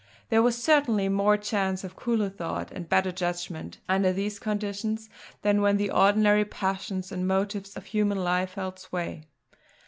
There was certainly more chance of cooler thought and better judgment under these conditions, than when the ordinary passions and motives of human life held sway.